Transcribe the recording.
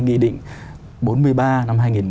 nghị định bốn mươi ba năm hai nghìn một mươi